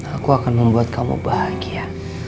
aku akan membuat kamu bahagia